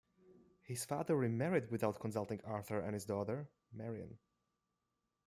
His father remarried without consulting Arthur and his daughter, Marian.